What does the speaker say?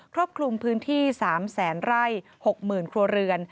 รอบคลุมพื้นที่๓แสนไร่๖๐๐๐ครัวเรือน